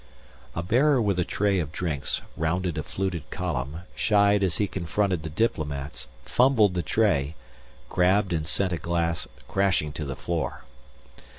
A bearer with a tray of drinks rounded a fluted column, shied as he confronted the diplomats, fumbled the tray, grabbed and sent a glass crashing to the floor.